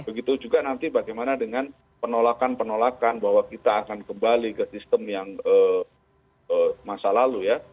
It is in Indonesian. begitu juga nanti bagaimana dengan penolakan penolakan bahwa kita akan kembali ke sistem yang masa lalu ya